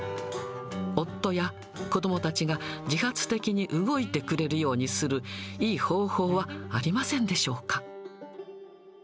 夫や子どもたちが自発的に動いてくれるようにする、いい方法はありませんでしょうか。